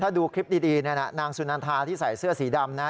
ถ้าดูคลิปดีเนี่ยนะนางสุนันทาที่ใส่เสื้อสีดำนะ